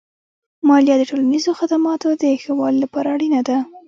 مالیه د ټولنیزو خدماتو د ښه والي لپاره اړینه ده.